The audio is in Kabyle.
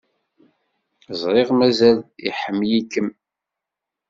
Ẓriɣ mazal iḥemmel-ikem.